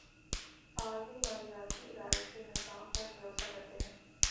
عالمی مالیاتی ادارے اس نظام پر بھروسہ کرتے ہیں۔